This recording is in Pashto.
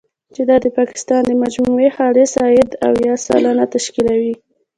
چې دا د پاکستان د مجموعي خالص عاید، اویا سلنه تشکیلوي.